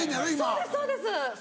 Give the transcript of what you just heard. そうですそうです。